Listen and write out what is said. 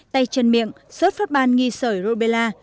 tay chân miệng sốt phát ban nghi sởi rô bê la